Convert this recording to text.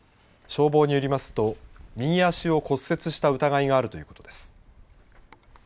消防によりますと右足を骨折した疑いがあるということです。